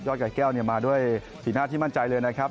ไก่แก้วมาด้วยสีหน้าที่มั่นใจเลยนะครับ